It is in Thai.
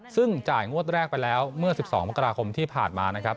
ซึ่งจ่ายงวดแรกไปแล้วเมื่อ๑๒มกราคมที่ผ่านมานะครับ